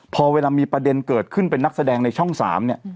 พอเวลามีประเด็นเกิดขึ้นเป็นนักแสดงในช่อง๓เนี่ย